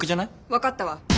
分かったわ。